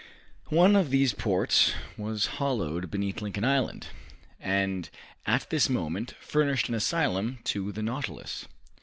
One of these ports was hollowed beneath Lincoln Island, and at this moment furnished an asylum to the "Nautilus."